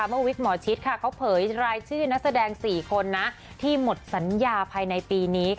เมื่อวิกหมอชิ๊ดเขาเผยรายชื่อนักแสดง๔คนที่หมดสัญญาภัยในปีนี้